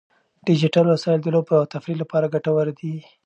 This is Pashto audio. ډیجیټل وسایل د لوبو او تفریح لپاره ګټور دي.